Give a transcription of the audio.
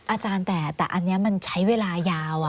อาจารย์แต่อันนี้มันใช้เวลายาว